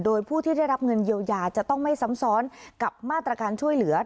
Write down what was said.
โดยผู้ที่ได้รับเงินเยียวยาจะต้องไม่ซ้ำซ้อนกับมาตรการช่วยเหลือ